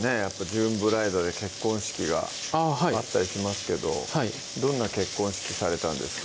ジューンブライドで結婚式があったりしますけどどんな結婚式されたんですか？